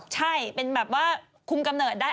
ใช่เป็นแบบว่าคุมกำเนิดได้